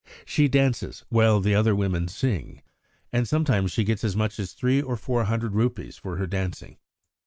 She dances while the other women sing, and sometimes she gets as much as three or four hundred rupees for her dancing.